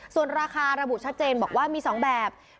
ส่วนราคาระบุชัดเจนบอกว่ามี๒แบบ